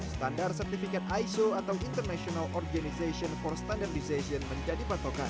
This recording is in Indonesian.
standar sertifikat iso atau international organization for standardization menjadi patokan